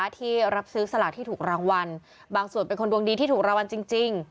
ที่รับซื้อสลากที่ถูกรางวัลบางส่วนเป็นคนดวงดีที่ถูกรางวัลจริง